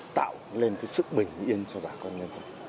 để tạo lên một cái sức bình yên cho bà con nhân dân